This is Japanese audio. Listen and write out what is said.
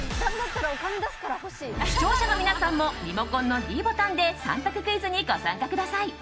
視聴者の皆さんもリモコンのｄボタンで３択クイズにご参加ください。